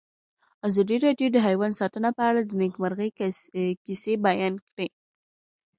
ازادي راډیو د حیوان ساتنه په اړه د نېکمرغۍ کیسې بیان کړې.